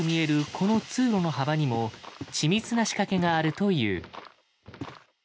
この通路の幅にも緻密な仕掛けがあるという。